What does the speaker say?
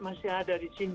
masih ada di sini